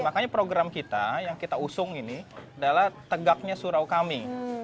makanya program kita yang kita usung ini adalah tegaknya surau kami